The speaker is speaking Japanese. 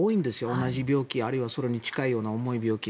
同じ病気あるいはそれに近いような重い病気。